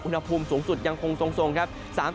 อุณหภูมิสูงสุดยังคงทรงครับ